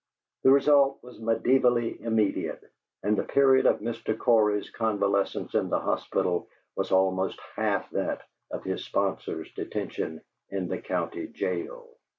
The result was mediaevally immediate, and the period of Mr. Cory's convalescence in the hospital was almost half that of his sponsor's detention in the county jail.